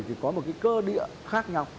thì có một cái cơ địa khác nhau